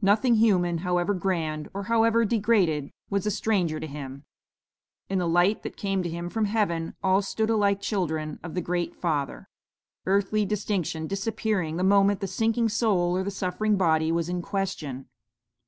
Nothing human, however grand, or however degraded, was a stranger to him. In the light that came to him from heaven, all stood alike children of the Great Father; earthly distinction disappearing the moment the sinking soul or the suffering body was in question.